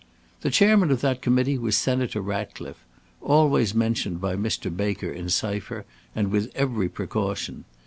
"The Chairman of that Committee was Senator Ratcliffe, always mentioned by Mr. Baker in cypher, and with every precaution.